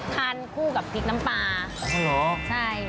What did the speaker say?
ทานคู่กับพริกน้ำปลาอ๋อเหรอใช่